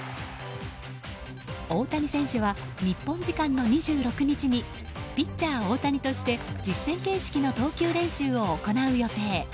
大谷選手は日本時間の２６日にピッチャー大谷として実戦形式の投球練習を行う予定